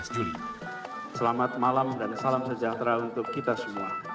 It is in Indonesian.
selamat malam dan salam sejahtera untuk kita semua